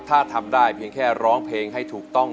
ถ้าทำได้เพียงแค่ร้องเพลงให้ถูกต้อง